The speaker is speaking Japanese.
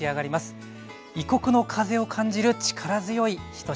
異国の風を感じる力強い一品でした。